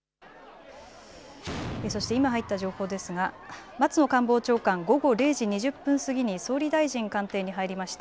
そして今入った情報ですが松野官房長官、午後０時２０分過ぎに総理大臣官邸に入りました。